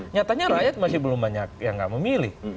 nyatanya rakyat masih belum banyak yang nggak memilih